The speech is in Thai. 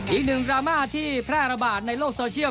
อีกหนึ่งกรามาทที่แพร่ระบาดในโลกโซเชียล